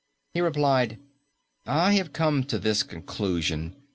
He replied: "I have come to this conclusion.